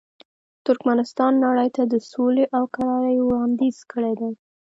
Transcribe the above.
ترکمنستان نړۍ ته د سولې او کرارۍ وړاندیز کړی دی.